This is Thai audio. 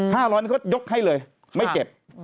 ๕๐๐นี่เขายกให้เลยไม่เก็บ